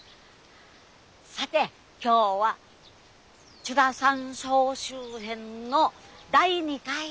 さて今日は「ちゅらさん総集編」の第２回だよ。